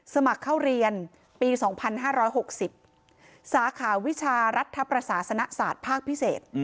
สมัครเข้าเรียนปี๒๕๖๐สาขาวิชารัฐประสาสนศาสตร์ภาคพิเศษ